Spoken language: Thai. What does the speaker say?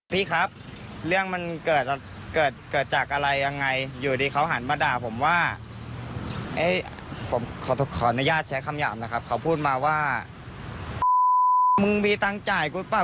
มึงมีตั้งจ่ายกูหรือเปล่า